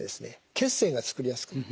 血栓が作りやすくなる。